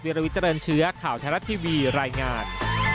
วิราวิทยาลัยเชื้อข่าวแทนรัฐทีวีรายงาน